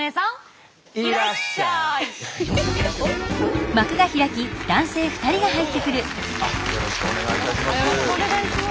よろしくお願いします。